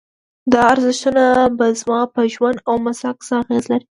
دا ارزښتونه به زما په ژوند او مسلک څه اغېز ولري؟